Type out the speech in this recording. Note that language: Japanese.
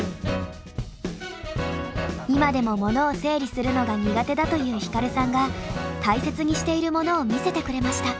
今でもモノを整理するのが苦手だというヒカルさんが大切にしているものを見せてくれました。